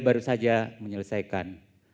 nah ponselnya neng neng gi xiam